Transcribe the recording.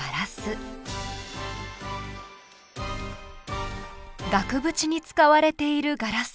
車のドアに使われているガラス。